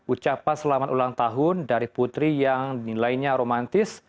ucapan selamat ulang tahun dari putri yang dinilainya romantis